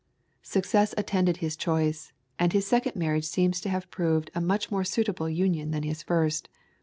Success attended his choice, and his second marriage seems to have proved a much more suitable union than his first.